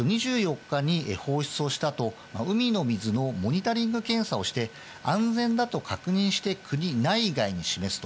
２４日に放出をしたあと、海の水のモニタリング検査をして、安全だと確認して国内外に示すと。